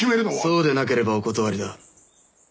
そうでなければお断りだ。